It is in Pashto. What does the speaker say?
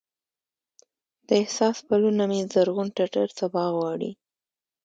د احساس پلونه مې زرغون ټټر سبا غواړي